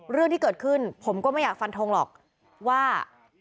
เรื่องที่เกิดขึ้นผมก็ไม่อยากฟันทงหรอกว่า